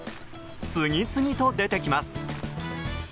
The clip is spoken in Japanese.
次々と出てきます。